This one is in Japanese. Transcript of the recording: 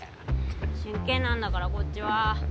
しんけんなんだからこっちは。